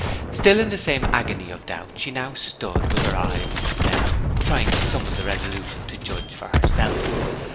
Still in the same agony of doubt, she now stood, with her eyes on the cell, trying to summon the resolution to judge for herself.